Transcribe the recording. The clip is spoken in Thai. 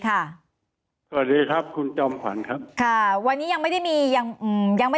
สวัสดีครับคุณจอมขวัญครับค่ะวันนี้ยังไม่ได้มียังอืมยังไม่